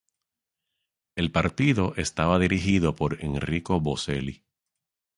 El partido estaba dirigido por Enrico Boselli.